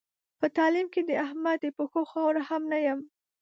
په تعلیم کې د احمد د پښو خاوره هم نه یم.